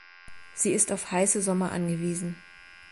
Sie ist auf heiße Sommer angewiesen.